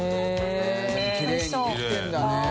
任きれいにできてるんだね。